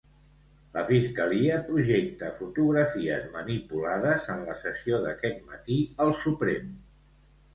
La fiscalia projecta fotografies manipulades en la sessió d'aquest matí al Suprem.